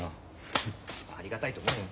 ありがたいと思えよ。